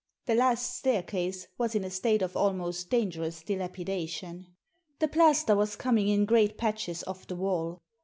The last staircase was in a state of almost dangerous dilapidation. The plaster was coming in great patches off the wall.